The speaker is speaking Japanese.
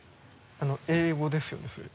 英語ですよねそれ。